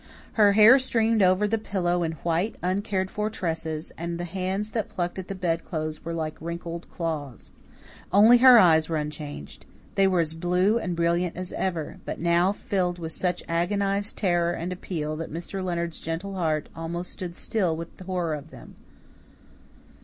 Her hair streamed over the pillow in white, uncared for tresses, and the hands that plucked at the bed clothes were like wrinkled claws. Only her eyes were unchanged; they were as blue and brilliant as ever, but now filled with such agonized terror and appeal that Mr. Leonard's gentle heart almost stood still with the horror of them.